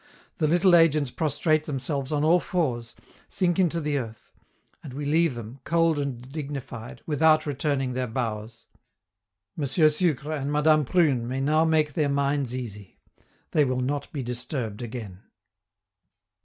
The little agents prostrate themselves on all fours, sink into the earth; and we leave them, cold and dignified, without returning their bows. M. Sucre and Madame Prune may now make their minds easy; they will not be disturbed again.